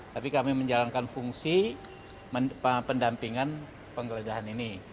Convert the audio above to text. tapi kami menjalankan fungsi pendampingan penggeledahan ini